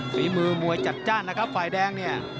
ฝีมือมวยจัดจ้านนะครับฝ่ายแดงเนี่ย